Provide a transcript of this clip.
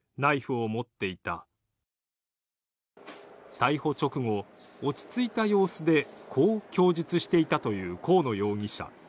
逮捕直後、落ち着いた様子でこう供述していたという河野容疑者。